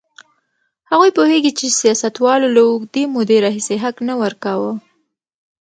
هغوی پوهېږي چې سیاستوالو له اوږدې مودې راهیسې حق نه ورکاوه.